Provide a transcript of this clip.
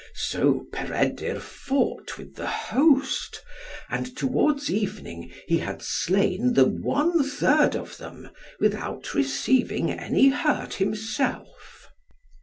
So Peredur fought with the host; and towards evening, he had slain the one third of them without receiving any hurt himself.